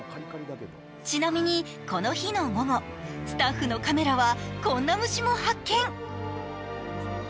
ちなみに、この日の午後、スタッフのカメラはこんな虫も発見。